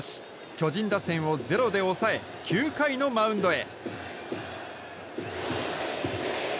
巨人打線をゼロで抑え９回のマウンドへ。